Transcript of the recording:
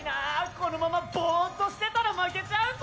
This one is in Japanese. このままボッとしてたら負けちゃうぞ。